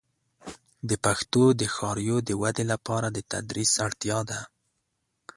د پښتو د ښاریو د ودې لپاره د تدریس اړتیا ده.